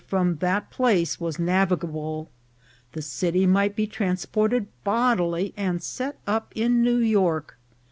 from that place was navigable ; the city might be trans ported bodily and set up in New York.